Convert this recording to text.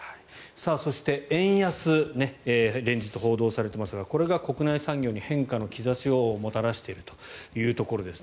そして、円安連日報道されていますがこれが国内産業に変化の兆しをもたらしているというところです。